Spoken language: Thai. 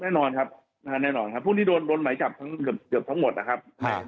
แน่นอนครับพวกนี้โดนไหมจับเกือบทั้งหมดนะครับ